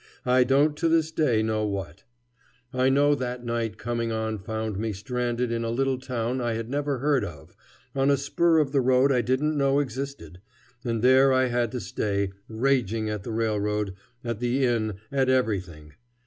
I don't to this day know what. I know that night coming on found me stranded in a little town I had never heard of, on a spur of the road I didn't know existed, and there I had to stay, raging at the railroad, at the inn, at everything.